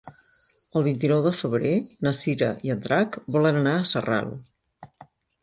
El vint-i-nou de febrer na Cira i en Drac volen anar a Sarral.